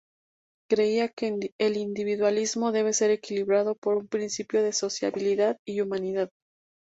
Creía que el individualismo debe ser equilibrado por un principio de sociabilidad y humanidad.